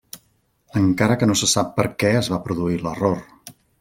Encara que no se sap perquè es va produir l'error.